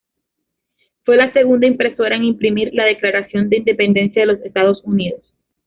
Fue la segunda impresora en imprimir la Declaración de Independencia de los Estados Unidos.